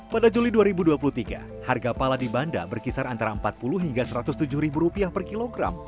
pada juli dua ribu dua puluh tiga harga pala di bandar berkisar antara empat puluh hingga satu ratus tujuh ribu rupiah per kilogram